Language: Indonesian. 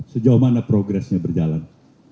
sejauh mana progresnya berjalan